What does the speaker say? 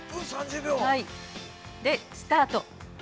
◆スタート。